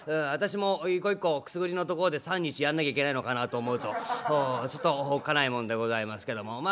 私も一個一個くすぐりのところで「３２１」やんなきゃいけないのかなと思うとちょっとおっかないもんでございますけども。